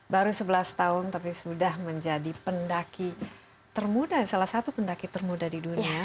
baru sebelas tahun tapi sudah menjadi pendaki termuda salah satu pendaki termuda di dunia